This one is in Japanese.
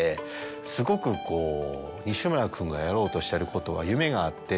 「すごくこう西村君がやろうとしてることは」。